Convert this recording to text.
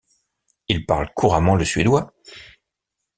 Il parle couramment le suédois.